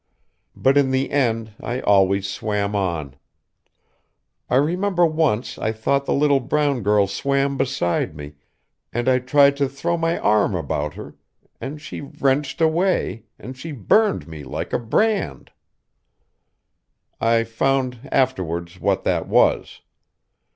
But in the end, I always swam on. I remember once I thought the little brown girl swam beside me, and I tried to throw my arm about her, and she wrenched away, and she burned me like a brand. I found, afterwards, what that was.